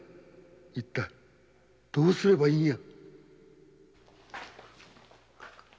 一体どうすればいいんや⁉